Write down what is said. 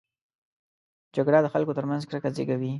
جګړه د خلکو ترمنځ کرکه زېږوي